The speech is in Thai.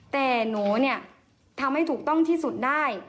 แต่หนูเนี่ยทำให้ถูกต้องที่สุดได้